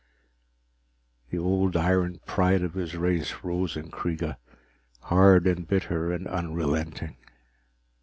The old iron pride of his race rose in Kreega, hard and bitter and unrelenting.